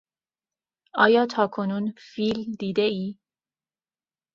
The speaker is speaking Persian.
آیا تاکنون فیل دیدهای؟